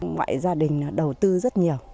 ngoại gia đình đầu tư rất nhiều